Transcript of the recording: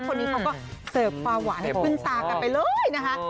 คนนี้เขาก็เสิร์ฟความหวานให้ขึ้นตากันไปเลยนะคะ